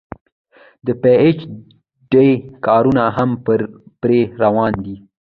د پي ايچ ډي کارونه هم پرې روان دي